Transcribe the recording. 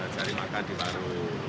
cari makan di paru